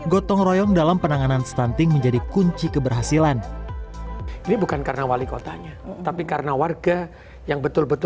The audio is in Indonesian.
gotong royong dalam penanganan stunting menjadi kunci keberhasilan